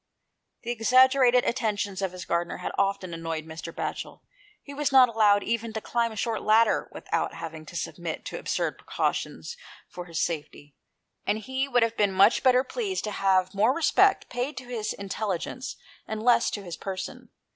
The exaggerated attentions of his gardener had often annoyed Mr. Batchel. He was not allowed even to climb a short ladder without having to submit to absurd precautions for his 157 aHOST TALES. safety, and he would have been much better pleased to have more respect paid to his intelli gence, and less to his person.